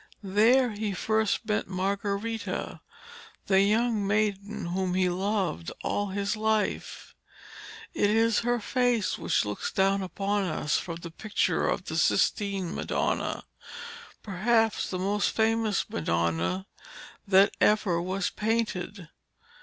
There he first met Margarita, the young maiden whom he loved all his life. It is her face which looks down upon us from the picture of the Sistine Madonna, perhaps the most famous Madonna that ever was painted.